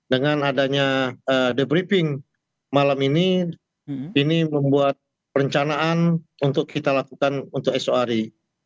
dengan adanya debriefing malam ini ini membuat perencanaan untuk kita lakukan untuk esok hari